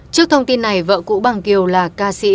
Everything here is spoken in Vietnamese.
trước thông tin này vợ cũ bằng kiều là ca sĩ